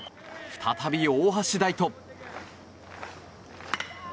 再び大橋大翔。